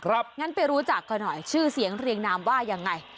งั้นไปรู้จักกันหน่อยชื่อเสียงเรียงนามว่ายังไง